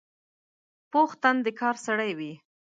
پوخ تن د کار سړی وي